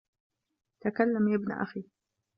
تَكَلَّمْ يَا ابْنَ أَخِي